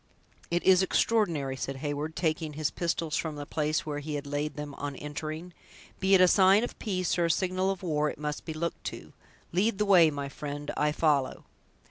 "It is extraordinary!" said Heyward, taking his pistols from the place where he had laid them on entering; "be it a sign of peace or a signal of war, it must be looked to. Lead the way, my friend; I follow."